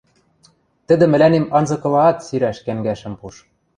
Тӹдӹ мӹлӓнем анзыкылаат сирӓш кӓнгӓшӹм пуш.